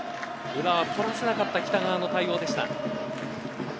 裏に生かせなかった北川選手の対応でした。